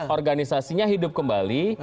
organisasinya hidup kembali